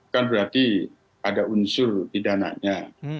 kan berarti ada unsur di dananya